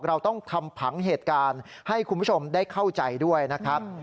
เราต้องทำผังเหตุการณ์ให้คุณผู้ชมได้เข้าใจด้วยนะครับ